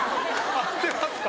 合ってますか？